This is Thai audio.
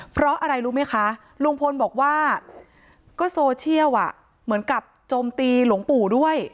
เพราะอะไรรู้ไหมคะลุงพลบอกว่าก็โซเชียลเหมือนกับโจมตีหลวงปู่ด้วย